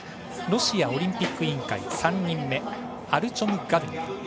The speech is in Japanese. ロシアオリンピック委員会３人目アルチョム・ガルニン。